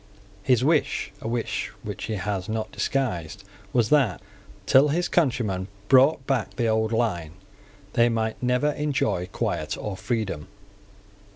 His wish, a wish which he has not disguised, was that, till his countrymen brought back the old line, they might never enjoy quiet or freedom.